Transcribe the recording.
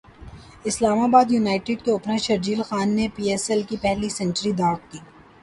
اسلام ابادیونائیٹڈ کے اوپنر شرجیل خان نے P S L کی پہلی سنچری داغ دی